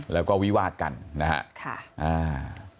แล้วก็วิวาดกันนะฮะ